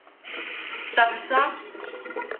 T'as vu ça?